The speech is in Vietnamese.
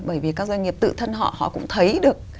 bởi vì các doanh nghiệp tự thân họ họ cũng thấy được